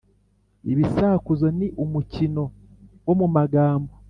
Ibisakuzo ni umukino wo mu magambo,